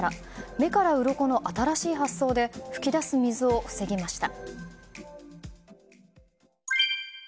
目からうろこの新しい発想で噴き出す水を防ぎました。